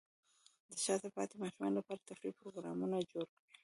د شاته پاتې ماشومانو لپاره تفریحي پروګرامونه جوړ کړئ.